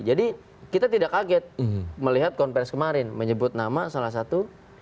jadi kita tidak kaget melihat konferensi kemarin menyebut nama salah satu